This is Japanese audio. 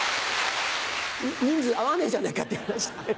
人数合わねえじゃねぇかっていう。